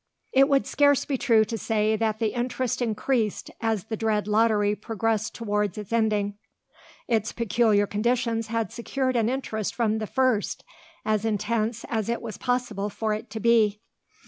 It would scarce be true to say that the interest increased as the dread lottery progressed towards its ending. Its peculiar conditions had secured an interest from the first as intense as it was possible for it to be.